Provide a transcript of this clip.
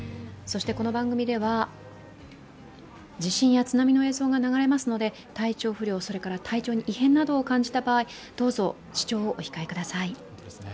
この番組では、地震や津波の映像が流れますので、体調不良など体調に異変などを感じた場合、どうぞ視聴をお控えください。